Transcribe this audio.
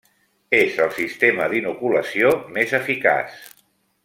És el sistema d'inoculació més eficaç.